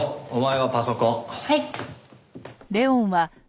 はい。